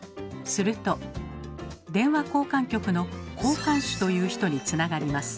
すると電話交換局の「交換手」という人につながります。